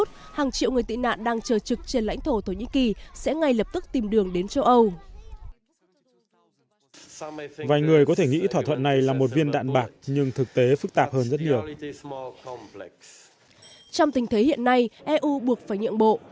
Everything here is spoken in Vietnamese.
trong tình thế hiện nay eu buộc phải nhượng bộ